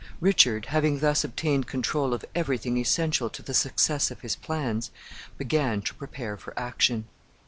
Richard, having thus obtained control of every thing essential to the success of his plans, began to prepare for action.